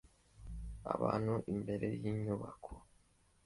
Abantu imbere yinyubako